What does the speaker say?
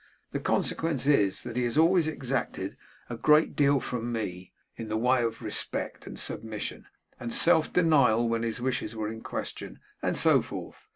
The consequence is that he has always exacted a great deal from me in the way of respect, and submission, and self denial when his wishes were in question, and so forth.